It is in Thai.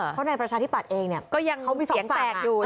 เพราะในประชาธิบัติเองเนี่ยก็ยังเขามีสองแปลกดูนะ